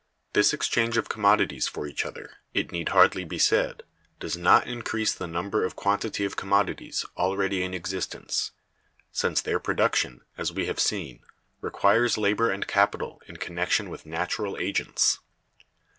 This exchange of commodities for each other, it need hardly be said, does not increase the number or quantity of commodities already in existence; since their production, as we have seen, requires labor and capital in connection with natural agents.